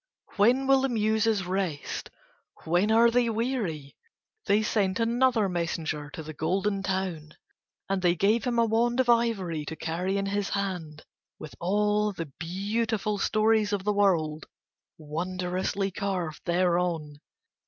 When will the Muses rest? When are they weary? They sent another messenger to the Golden Town. And they gave him a wand of ivory to carry in his hand with all the beautiful stories of the world wondrously carved thereon.